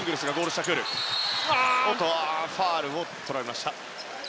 ファウルがとられました。